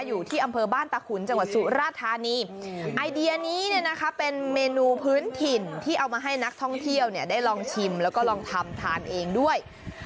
อยู่ที่อำเภอบ้านตะขุนจังหวัดสุราธานีไอเดียนี้เนี่ยนะคะเป็นเมนูพื้นถิ่นที่เอามาให้นักท่องเที่ยวเนี่ยได้ลองชิมแล้วก็ลองทำทานเองด้วย